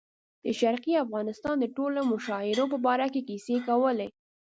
د شرقي افغانستان د ټولو مشاهیرو په باره کې کیسې کولې.